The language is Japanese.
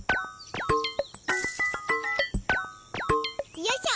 よいしょ。